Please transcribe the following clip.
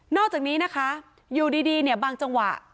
อกจากนี้นะคะอยู่ดีเนี่ยบางจังหวะ